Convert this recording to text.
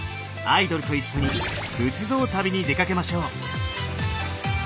アイドルと一緒に仏像旅に出かけましょう。